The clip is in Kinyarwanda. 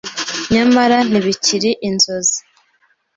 Nyamara ntibikiri inzozi